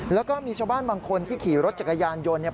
แล้วก็มีชาวบ้านบางคนที่ขี่รถจักรยานยนต์เนี่ย